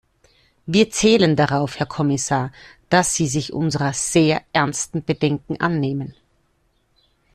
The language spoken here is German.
Wir zählen darauf, Herr Kommissar, dass Sie sich unserer sehr ernsten Bedenken annehmen.